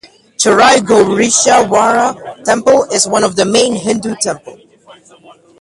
"Cherai Gowreeshwara Temple" is one of the main Hindu temple.